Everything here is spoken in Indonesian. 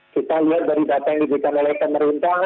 kita lihat dari data yang diberikan oleh pemerintah